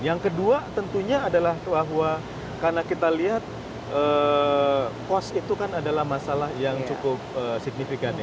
yang kedua tentunya adalah bahwa karena kita lihat pos itu kan adalah masalah yang cukup signifikan